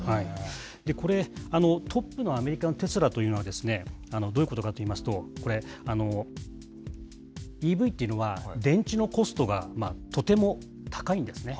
これ、トップのアメリカのテスラというのはですね、どういうことかといいますと、これ、ＥＶっていうのは、電池のコストがとても高いんですね。